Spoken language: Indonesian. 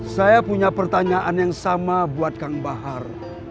saya punya pertanyaan yang sama buat kang bahar